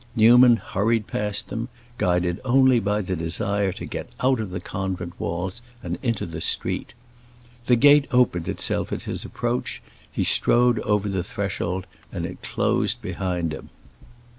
Newman hurried past them, guided only by the desire to get out of the convent walls and into the street. The gate opened itself at his approach; he strode over the threshold and it closed behind him.